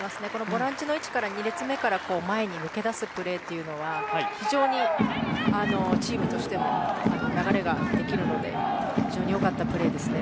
ボランチの位置から、２列目から前に抜け出すプレーというのは非常にチームとしても流れができるので非常に良かったプレーですね。